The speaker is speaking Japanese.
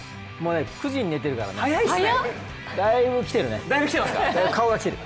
９時に寝てるからね、だいぶきてるね、顔がきてる。